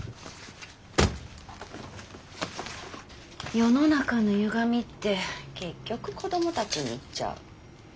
世の中のゆがみって結局子供たちに行っちゃう。